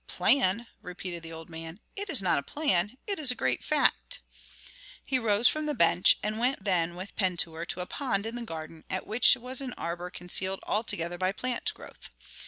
"Plan?" repeated the old man. "It is not a plan, it is a great fact." He rose from the bench and went then with Pentuer to a pond in the garden, at which was an arbor concealed altogether by plant growth.